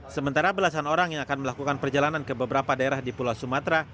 sementara belasan orang yang akan melakukan perjalanan ke beberapa daerah di pulau sumatera